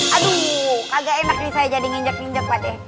aduh kagak enak nih saya jadi nginjak ninjak pak de